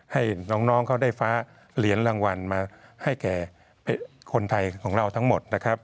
ให้น้องเขาได้ฟ้าเหรียญรางวัลมาให้แก่คนไทยของเราทั้งหมดนะครับ